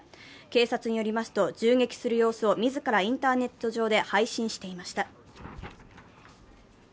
警察によりますと、銃撃する様子を自らインターネット上で配信していました。